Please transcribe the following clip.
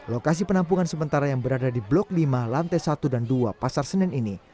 lokasi penampungan sementara yang berada di blok lima lantai satu dan dua pasar senen ini